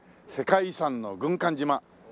世界遺産の軍艦島。